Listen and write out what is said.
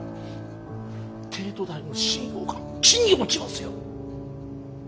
帝都大の信用が地に落ちますよ！